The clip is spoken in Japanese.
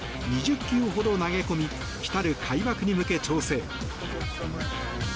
２０球ほど投げ込み来たる開幕に向け調整。